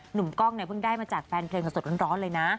หนุ่มกล้องเนี่ยเพิ่งได้มาจากแฟนเพลงสดร้อนเลยนะ